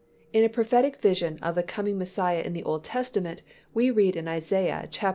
In a prophetic vision of the coming Messiah in the Old Testament we read in Isa. lxi.